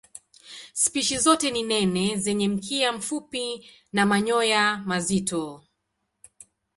Spishi zote ni nene zenye mkia mfupi na manyoya mazito.